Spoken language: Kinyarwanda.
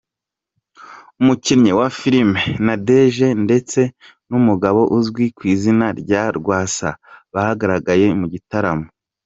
Umukinnyi wa Filime Nadege ndetse n’ umugabo uzwi kwizina rya Rwasa bagaragaye mu gitaramo.